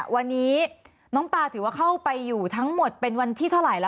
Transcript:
วันนี้น้องปลาถือว่าเข้าไปอยู่ทั้งหมดเป็นวันที่เท่าไหร่แล้ว